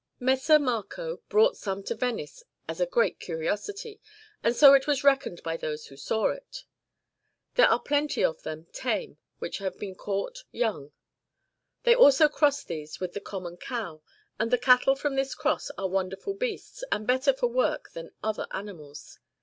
Messer Marco brought some to Venice as a great curiosity, and so it was reckoned by those who saw it]. There are also plenty of them tame, which have been caught young. [They also cross these with the common cow, CiiAP. LVII. THE KINGDOM OF ERGUIUL 275 and the cattle from this cross are wonderful beasts, and better for work than other animals.